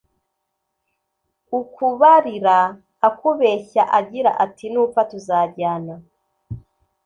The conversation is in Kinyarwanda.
Ukubarira akubeshya agira ati:nupfa tuzajyana.